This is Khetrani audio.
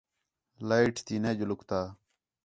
لائیٹ تی نے ڄُلکتا